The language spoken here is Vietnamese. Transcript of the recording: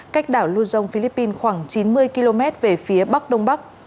cách đảo luzon philippines khoảng chín mươi km về phía bắc đông bắc